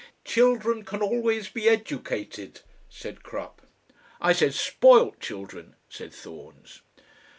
"Children can always be educated," said Crupp. "I said SPOILT children," said Thorns.